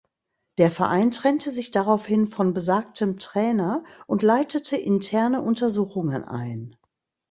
Der Verein trennte sich daraufhin von besagtem Trainer und leitete interne Untersuchungen ein.